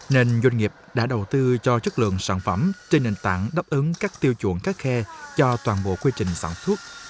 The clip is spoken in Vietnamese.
nên doanh nghiệp đã đầu tư cho chất lượng sản phẩm trên nền tảng đáp ứng các tiêu chuẩn khắc khe cho toàn bộ quy trình sản xuất